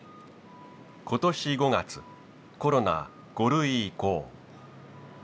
今年５月コロナ５類移行。